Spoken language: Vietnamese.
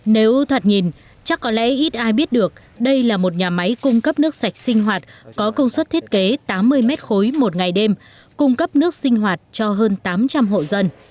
nếu thật nhìn chắc có lẽ ít ai biết được đây là một nhà máy cung cấp nước sạch sinh hoạt có công suất thiết kế tám mươi mét khối một ngày đêm cung cấp nước sinh hoạt cho hơn tám trăm linh hộ dân